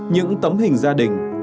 những tấm hình gia đình